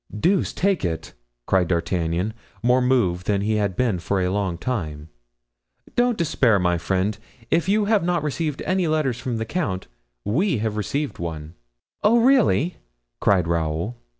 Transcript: "Deuce take it!" cried D'Artagnan, more moved than he had been for a long time, "don't despair, my friend, if you have not received any letters from the count, we have received one." "Oh, really!" cried Raoul.